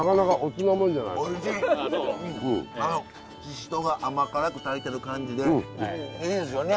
ししとうが甘辛く炊いてる感じでいいですよね。